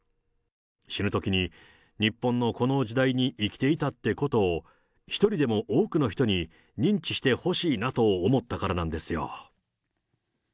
死ぬときに日本のこの時代に生きていたってことを、一人でも多くの人に認知してほしいなと思ったからなんですよ。